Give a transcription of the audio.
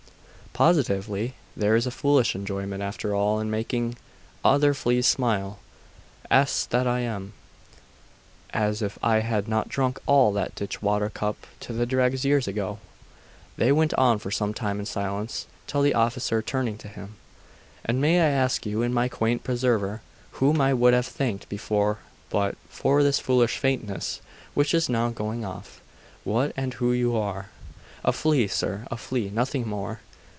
'Positively there is a foolish enjoyment after all in making other fleas smile.... Ass that I am! As if I had not drunk all that ditch water cup to the dregs years ago!' They went on for some time in silence, till the officer, turning to him 'And may I ask you, my quaint preserver, whom I would have thanked before but for this foolish faintness, which is now going off, what and who you are?' 'A flea, sir a flea nothing more.